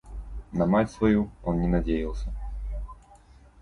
На мать свою он не надеялся.